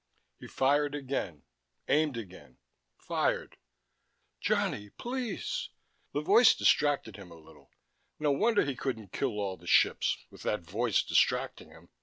He fired again, aimed again, fired.... "Johnny, please...." The voice distracted him a little. No wonder he couldn't kill all the ships, with that voice distracting him.